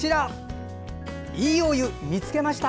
「＃いいお湯見つけました」。